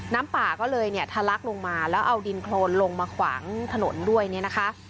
น้ำป่าก็เลยเนี่ยทะลักลงมาแล้วเอาดินโครนลงมาขวางถนนด้วยเนี่ยนะคะ